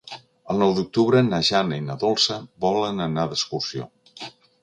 El nou d'octubre na Jana i na Dolça volen anar d'excursió.